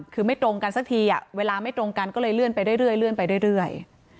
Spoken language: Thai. คือไม่ตรงกันสักทีเวลาไม่ตรงกันก็เลยเลื่อนไปเรื่อยไปเรื่อย